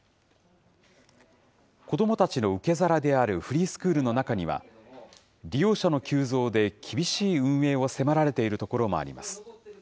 子どもたちの受け皿であるフリースクールの中には、利用者の急増で厳しい運営を迫られているところもあります。